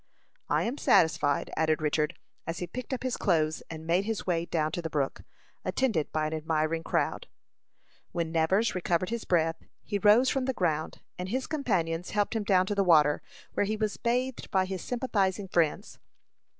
"I am satisfied," added Richard, as he picked up his clothes, and made his way down to the brook, attended by an admiring crowd. When Nevers recovered his breath, he rose from the ground, and his companions helped him down to the water, where he was bathed by his sympathizing friends.